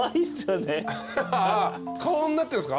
顔になってるんすか？